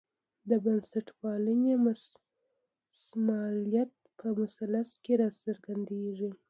د بنسټپالنې مسلمات په مثلث کې راڅرګندېږي.